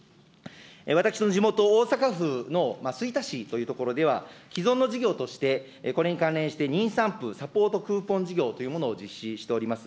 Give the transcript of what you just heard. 私の地元、大阪府の吹田市という所では、既存の事業としてこれに関連して妊産婦サポートクーポン事業というものを実施しております。